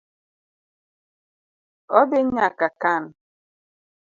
Odhi nyaka kan.